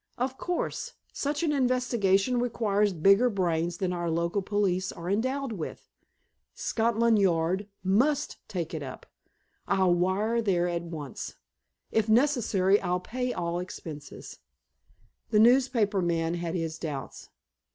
Of course, such an investigation requires bigger brains than our local police are endowed with. Scotland Yard must take it up. I'll wire there at once. If necessary, I'll pay all expenses." The newspaper man had his doubts.